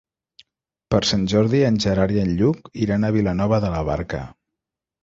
Per Sant Jordi en Gerard i en Lluc iran a Vilanova de la Barca.